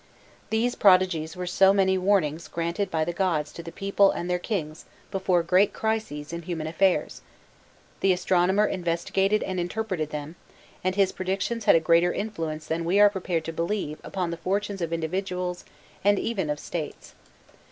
These prodigies were so many warnings granted by the gods to the people and their kings before great crises in human affairs: the astronomer investigated and interpreted them, and his predictions had a greater influence than we are prepared to believe upon the fortunes of individuals and even of states.